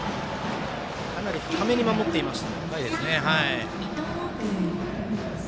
かなり深めに守っていました。